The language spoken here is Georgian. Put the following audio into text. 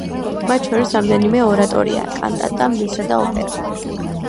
მათ შორის რამდენიმე ორატორია, კანტატა, მესა და ოპერა.